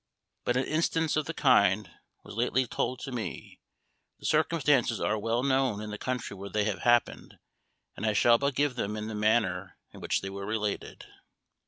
But an instance of the kind was lately told to me; the circumstances are well known in the country where they happened, and I shall but give them in the manner in which they were related.